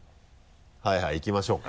はいはいいきましょうか。